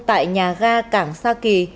tại nhà ga cảng sa kỳ